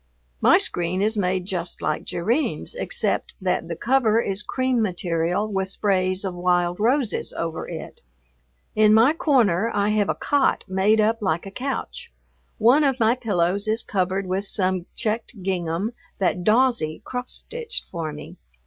My screen is made just like Jerrine's except that the cover is cream material with sprays of wild roses over it. In my corner I have a cot made up like a couch. One of my pillows is covered with some checked gingham that "Dawsie" cross stitched for me.